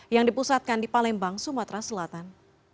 yang dipusatkan di palembang sumatera selatan